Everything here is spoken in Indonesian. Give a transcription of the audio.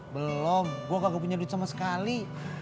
belom gue kagak punya duit sama sekali